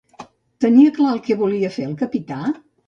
Tenia clar el que volia fer el capità?